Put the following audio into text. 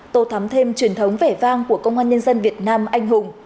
tô thắm thêm truyền thống vẻ vang của công an nhân dân việt nam anh hùng